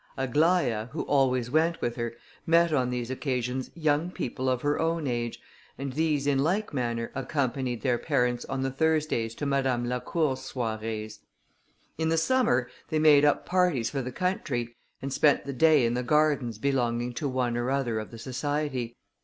Aglaïa, who always went with her, met on these occasions young people of her own age, and these in like manner accompanied their parents on the Thursdays to Madame Lacour's soirées. In the summer they made up parties for the country, and spent the day in the gardens belonging to one or other of the society.